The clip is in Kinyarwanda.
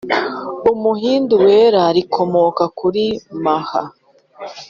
umuhindu wera, rikomoka kuri maha